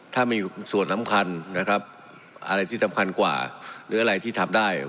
ถ้ามีส่วนสำคัญนะครับอะไรที่สำคัญกว่าหรืออะไรที่ทำได้